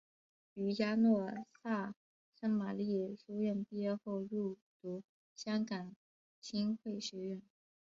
于嘉诺撒圣玛利书院毕业后入读香港浸会学院。